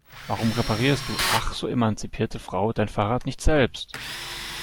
Warum reparierst du ach so emanzipierte Frau dein Fahrrad nicht selbst?